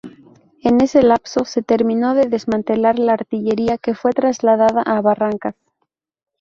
En ese lapso se terminó de desmantelar la artillería que fue trasladada a Barracas.